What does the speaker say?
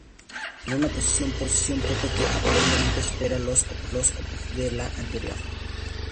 Es una posición poco difundida, que aparentemente supera las objeciones de la anterior.